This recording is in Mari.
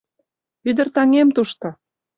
— Ӱдыр таҥем тушто...